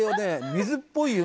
水っぽい夢。